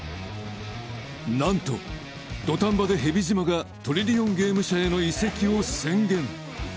なんと土壇場で蛇島がトリリオンゲーム社への移籍を宣言